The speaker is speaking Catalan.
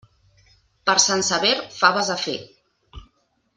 Per Sant Sever, faves a fer.